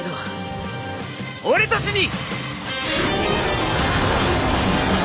俺たちに！